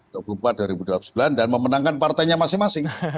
tahun dua ribu empat dua ribu sembilan dan memenangkan partainya masing masing